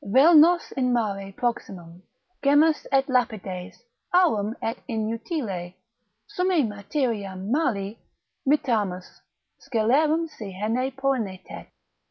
Vel nos in mare proximum, Gemmas et lapides, aurum et inutile, Summi materiam mali Mittamus, scelerum si hene poenitet.